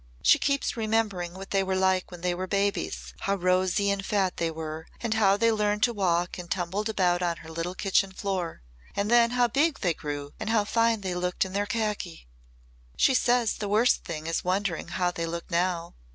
"She keeps remembering what they were like when they were babies how rosy and fat they were and how they learned to walk and tumbled about on her little kitchen floor. And then how big they grew and how fine they looked in their khaki. She says the worst thing is wondering how they look now.